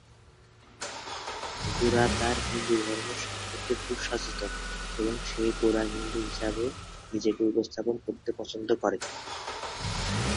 গোরা তার হিন্দুধর্ম সম্পর্কে খুব সচেতন এবং সে গোঁড়া হিন্দু হিসাবে নিজেকে উপস্থাপন করতে পছন্দ করে।